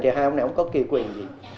thì hai ông này không có quyền gì